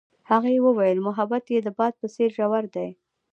هغې وویل محبت یې د باد په څېر ژور دی.